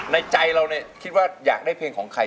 ในใจเราคิดว่าอยากได้เพลงของใคร